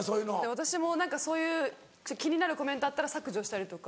私も何かそういう気になるコメントあったら削除したりとか。